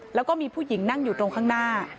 แล้วก็มีผู้หญิงนั่งอยู่ตรงข้างหน้า